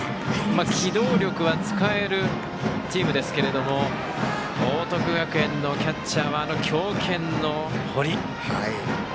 機動力は使えるチームですが報徳学園のキャッチャーは強肩の堀。